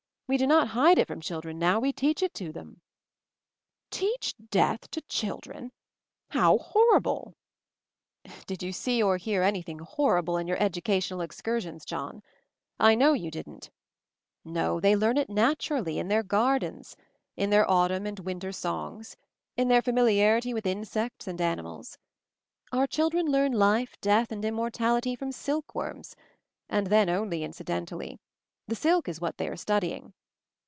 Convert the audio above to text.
We do not hide it from children now, we teach it to them." "Teach death — to children! How horri ble 1" "Did you see or hear anything horrible in your educational excursions, John? I know you didn't. No, they learn it naturally; in their gardens; in their autumn and winter songs; in their familiarity with insects and MOVING THE MOUNTAIN 255 animals. Our children learn life, death, and immortality, from silk worms; and, then only incidentally. The silk is what they are studying.